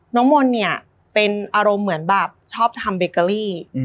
น้องมนต์เนี่ยเป็นอารมณ์เหมือนแบบชอบทำเบเกอรี่